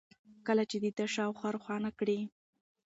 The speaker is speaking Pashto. كله چي د ده شا و خوا روښانه كړي